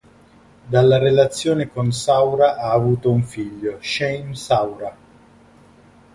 Dalla relazione con Saura ha avuto un figlio, Shane Saura.